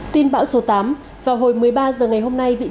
tin bão số tám vào hồi một mươi ba h ngày hôm nay